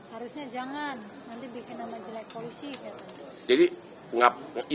harusnya jangan nanti bikin nama jelek polisi